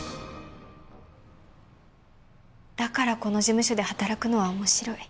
だからこの事務所で働くのは面白い。